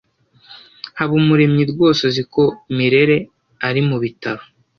Habumuremyi rwose azi ko Mirelle ari mubitaro.